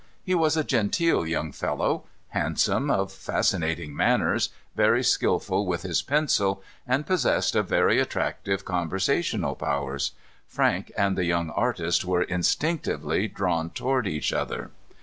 He was a genteel young fellow, handsome, of fascinating manners, very skilful with his pencil, and possessed of very attractive conversational powers. Frank and the young artist were instinctively drawn toward each other.